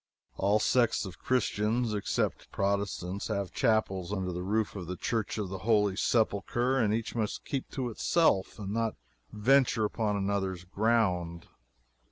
All sects of Christians (except Protestants,) have chapels under the roof of the Church of the Holy Sepulchre, and each must keep to itself and not venture upon another's ground.